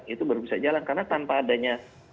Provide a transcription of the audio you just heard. itu baru bisa jalan karena tanpa adanya